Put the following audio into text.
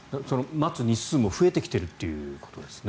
待つ日数も増えてきているということですね。